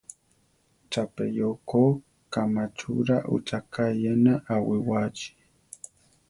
Chapeyó ko kamáchura ucháka iyéna awiwáachi.